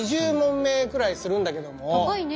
高いね。